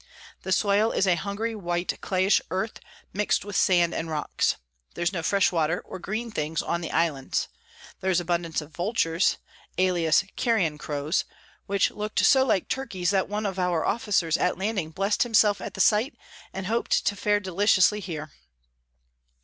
The Soil is a hungry white clayish Earth, mix'd with Sand and Rocks. There's no fresh Water, or green things on the Islands: Here's abundance of Vultures, alias Carrion Crows, which look'd so like Turkeys, that one of our Officers at landing bless'd himself at the sight, and hop'd to fare deliciously here.